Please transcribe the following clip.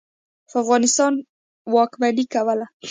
په افغانستان واکمني کوله.